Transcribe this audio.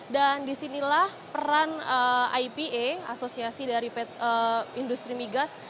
dan disinilah peran ipa asosiasi dari industri migas